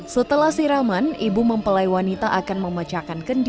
setelah siraman ibu mempelai wanita akan memecahkan kendi